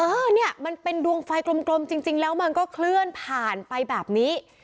เออเนี่ยมันเป็นดวงไฟกลมจริงแล้วมันก็เคลื่อนผ่านไปแบบนี้